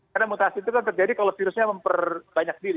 karena mutasi itu kan terjadi kalau virusnya memperbanyak diri